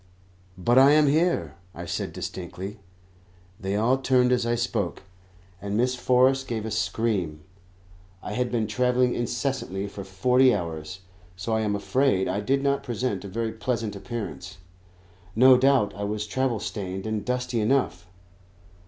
"But I am here," I said distinctly. They all turned as I spoke, and Miss Forrest gave a scream. I had been travelling incessantly for forty hours, so I am afraid I did not present a very pleasant appearance. No doubt I was travel stained and dusty enough.